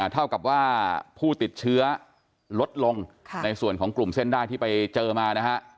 เท่ากับว่าผู้ติดเชื้อลดลงในส่วนของกลุ่มเส้นได้ที่ไปเจอมานะฮะ